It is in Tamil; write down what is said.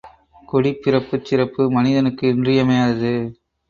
குடிப்பிறப்புச் சிறப்பு மனிதனுக்கு இன்றியமையாதது.